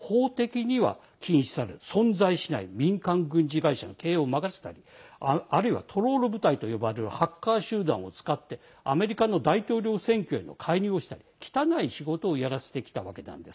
ワグネルという法的には禁止され、存在されない民間軍事会社の経営を任せたりあるいはトロール部隊といわれるハッカー集団を使ってアメリカの大統領選挙への介入をしたり汚い仕事をやらせてきたんです。